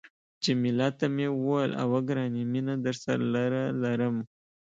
جميله ته مې وویل، اوه، ګرانې مینه درسره لرم.